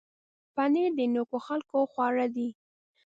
پنېر د نېکو خلکو خواړه دي.